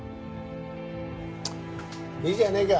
いいじゃないか。